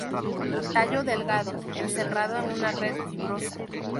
Tallo delgado, encerrado en una red fibrosa.